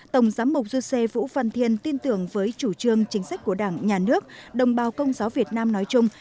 tổng giám mục du sê vũ văn thiên tin tưởng với chủ trương chính sách của đảng nhà nước đồng bào công giáo việt nam nói chung